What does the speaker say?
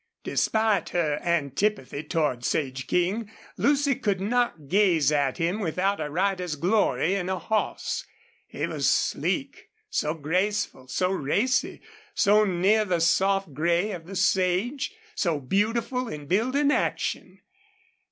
Despite her antipathy toward Sage King, Lucy could not gaze at him without all a rider's glory in a horse. He was sleek, so graceful, so racy, so near the soft gray of the sage, so beautiful in build and action.